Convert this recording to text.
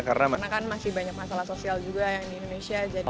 karena kan masih banyak masalah sosial juga yang di indonesia